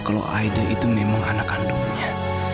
kalau aida itu memang anak kandungnya